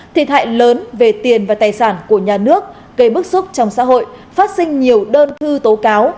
thiệt hại lớn về tiền và tài sản của nhà nước gây bức xúc trong xã hội phát sinh nhiều đơn thư tố cáo